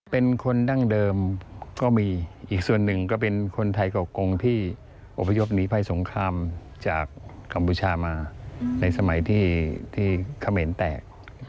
เป็นคนดั้งเดิมก็มีอีกส่วนหนึ่งก็เป็นคนไทยเก่ากงที่อบพยพหนีภัยสงครามจากกัมพูชามาในสมัยที่เขมรแตก